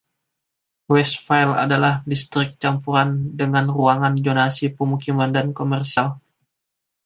Westville adalah distrik campuran, dengan ruang zonasi pemukiman dan komersial.